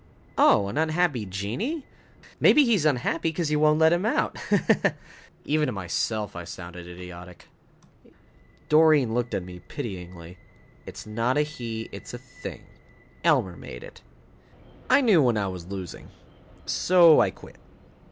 "Oh, an unhappy genii? Maybe he's unhappy because you won't let him out, ha ha." Even to myself, I sounded idiotic. Doreen looked at me pityingly. "It's not a he, it's a thing. Elmer made it." I knew when I was losing, so I quit.